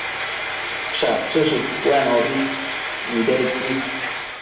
Shachëshëdcuenobi nidequi